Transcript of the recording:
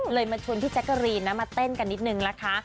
มาชวนพี่แจ๊กกะรีนนะมาเต้นกันนิดนึงนะคะ